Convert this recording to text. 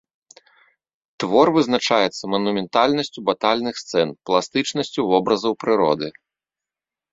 Твор вызначаецца манументальнасцю батальных сцэн, пластычнасцю вобразаў прыроды.